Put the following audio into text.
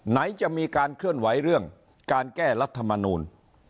ไหนจะมีการเคลื่อนไหวเรื่องการแก้รัฐมนูล